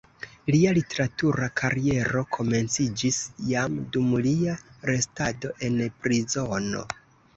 Lia literatura kariero komenciĝis jam dum lia restado en prizono.